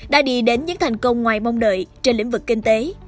đã đi đến những thành công ngoài mong đợi trên lĩnh vực kinh tế